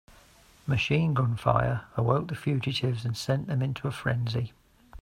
Machine gun fire awoke the fugitives and sent them into a frenzy.